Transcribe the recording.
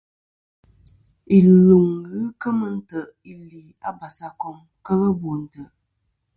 Iluŋ i ghɨ kemɨ ntè' ili a basakom kel bo ntè'.